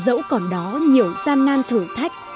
dẫu còn đó nhiều gian nan thử thách